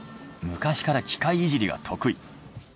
昔から機械いじりが得意。